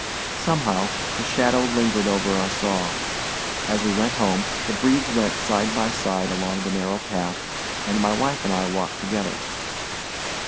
Somehow, the shadow lingered over us all. As we went home, the Bredes went side by side along the narrow path, and my wife and I walked together.